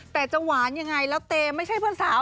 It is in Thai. แต่จะหวานยังไงแล้วเต้ไม่ใช่เพื่อนสาว